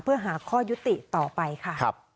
เพื่อหาข้อยุติต่อไปค่ะ